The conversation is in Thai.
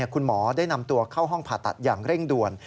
คุณหมอได้นำตัวเข้าห้องผ่าตัดอย่างเร่งด่วน